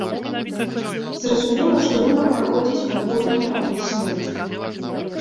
Зразумела, што нумар праходзіць пад бурныя апладысменты.